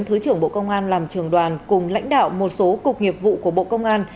thứ trưởng bộ công an làm trường đoàn cùng lãnh đạo một số cục nghiệp vụ của bộ công an